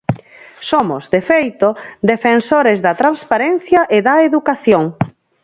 Somos, de feito, defensores da transparencia e da educación.